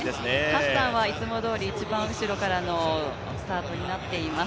ハッサンはいつもどおり一番後ろからのスタートになっています。